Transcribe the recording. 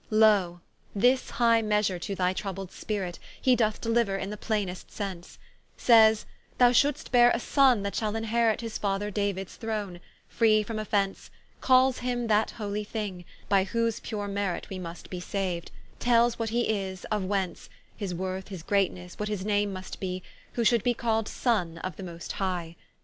Loe, this high message to thy troubled spirit, He doth deliuer in the plainest sence; Sayes, Thou shouldst beare a Sonne that shal inherit His Father Davids throne, free from offence, Call's him that Holy thing, by whose pure merit We must be sau'd, tels what he is, of whence; His worth, his greatnesse, what his name must be, Who should be call'd the Sonne of the most High.